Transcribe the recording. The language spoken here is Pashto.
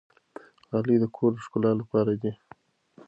غالۍ د کور د ښکلا لپاره دي.